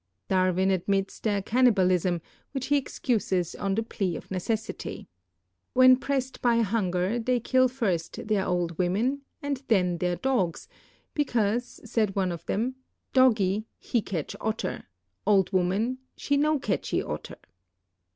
Darwin admits their cannibalism, which lie excuses on the plea of necessity. When pressed by hunger they kill first their old women and then their dogs, because, said one of them, "Doggy, he catch otter; old woman, slie no catchee otter."